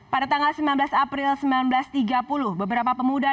pada tanggal sembilan belas april seribu sembilan ratus tiga puluh beberapa pemuda